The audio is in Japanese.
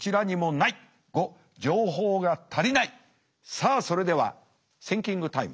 さあそれではシンキングタイム。